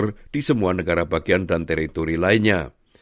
tanggal tiga oktober di semua negara bagian dan teritori lainnya